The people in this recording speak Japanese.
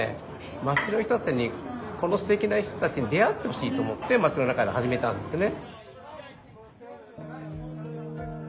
町の人たちにこのすてきな人たちに出会ってほしいと思って町の中で始めたんですよね。